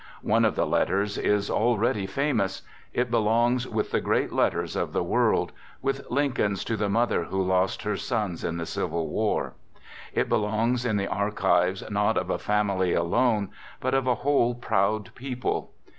One of the letters is already 68 "THE GOOD SOLDIER famous. It belongs with the great letters of the world ; with Lincoln's to the mother who lost her sons in the Civil War. It belongs in the archives not of a family alone, but of a whole proud people.